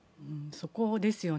そこですよね。